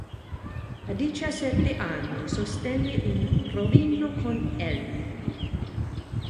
A diciassette anni sostenne un provino con l'.